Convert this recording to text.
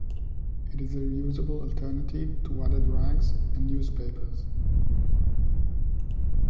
It is a reusable alternative to wadded rags or newspapers.